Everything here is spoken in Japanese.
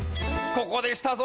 ここできたぞ。